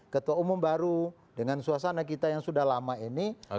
ketua umum baru dengan suasana kita yang sudah lama ini